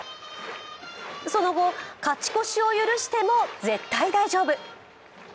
その後、勝ち越しを許しても絶対大丈夫。